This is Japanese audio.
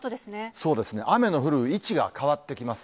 そうですね、雨の降る位置が変わってきます。